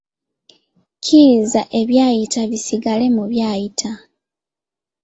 Kkiriza ebyayita bisigale mu byayita.